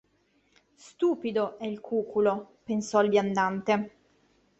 Stupido, è il cuculo, – pensò il viandante